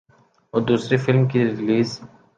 اور دوسری فلم کی ریلیز